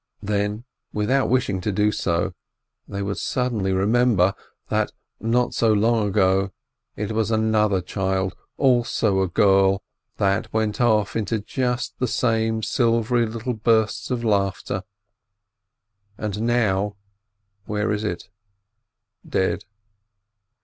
Then, without wishing to do so, they would sudden ly remember that not so long ago it was another child, also a girl, that went off into just the same silvery little bursts of laughter — and now, where is it ?— dead